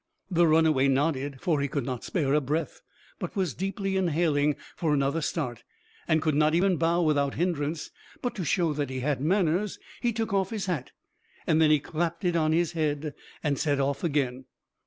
The runaway nodded, for he could not spare a breath, but was deeply inhaling for another start, and could not even bow without hindrance. But to show that he had manners, he took off his hat. Then he clapped it on his head and set off again.